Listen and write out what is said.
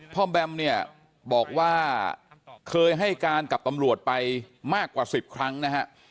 แบมเนี่ยบอกว่าเคยให้การกับตำรวจไปมากกว่า๑๐ครั้งนะฮะ